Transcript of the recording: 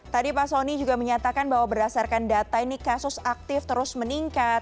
tadi pak soni juga menyatakan bahwa berdasarkan data ini kasus aktif terus meningkat